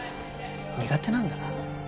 苦手なんだな。